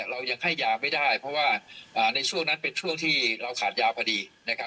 เรายังให้ยาไม่ได้เพราะว่าในช่วงนั้นเป็นช่วงที่เราขาดยาพอดี